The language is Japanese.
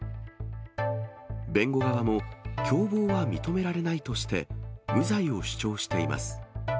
弁護側も、共謀は認められないとして、無罪を主張しています。